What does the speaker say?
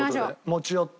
持ち寄って。